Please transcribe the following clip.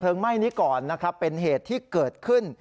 ไหม้นี้ก่อนนะครับเป็นเหตุที่เกิดขึ้น